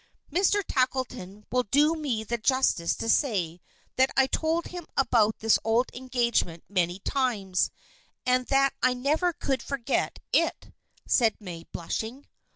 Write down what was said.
"Mr. Tackleton will do me the justice to say that I told him about this old engagement many times, and that I never could forget it," said May, blushing.